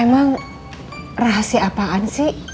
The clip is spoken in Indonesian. emang rahasia apaan sih